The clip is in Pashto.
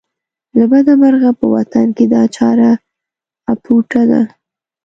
له بده مرغه په وطن کې دا چاره اپوټه ده.